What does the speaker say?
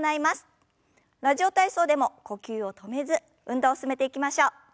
「ラジオ体操」でも呼吸を止めず運動を進めていきましょう。